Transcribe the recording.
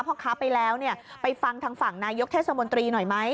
พ่อค้าไปแล้วเนี่ยไปฟังทางฝั่งนายกเทศมนตรีหน่อยไหม